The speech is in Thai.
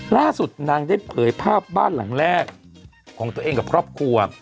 ล่าสุดนางได้เผยภาพบ้านหลังแรกของตัวเองกับครอบครัว